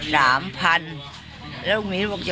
โดยมันจะไปมีวันนี้